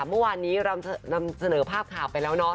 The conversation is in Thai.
เมื่อวานนี้เรานำเสนอภาพข่าวไปแล้วเนาะ